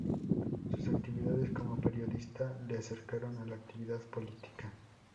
Sus actividades como periodista le acercaron a la actividad política.